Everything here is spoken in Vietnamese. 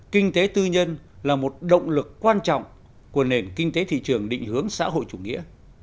kinh tế tư nhân là một động lực quan trọng của nền kinh tế thị trường định hướng xã hội chủ nghĩa